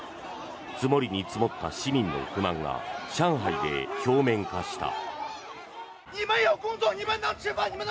積もりに積もった市民の不満が上海で表面化した。